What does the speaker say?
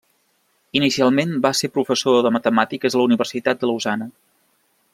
Inicialment va ser professor de matemàtiques a la Universitat de Lausana.